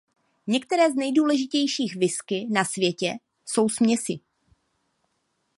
Některé z nejdůležitějších whisky na světě jsou směsi.